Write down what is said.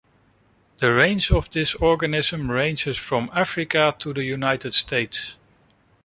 The range of this organism ranges from Africa to the United States.